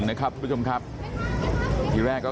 เฮ้ยเฮ้ยเฮ้ยเฮ้ยเฮ้ยเฮ้ยเฮ้ยเฮ้ย